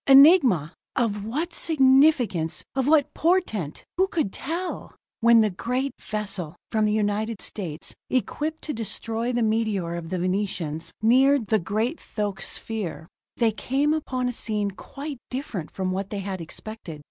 Enigma! Of what significance, of what portent who could tell? When the great vessel from the United States, equipped to destroy the meteor of the Venetians, neared the great thoque sphere, they came upon a scene quite different from what they had expected.